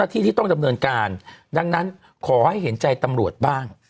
ที่ที่ต้องดำเนินการดังนั้นขอให้เห็นใจตำรวจบ้าง